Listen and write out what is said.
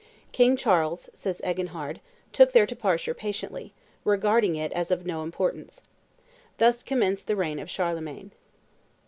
"King Charles," says Eginhard, "took their departure patiently, regarding it as of no importance." Thus commenced the reign of Charlemagne.